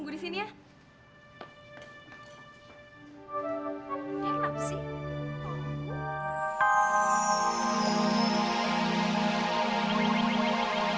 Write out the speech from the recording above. gak tau malu banget sih tuh wina